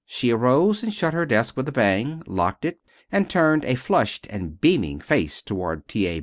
She arose, and shut her desk with a bang, locked it, and turned a flushed and beaming face toward T. A.